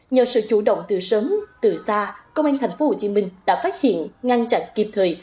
nhờ sự chủ động từ sớm từ xa công an tp hcm đã phát hiện ngăn chặn kịp thời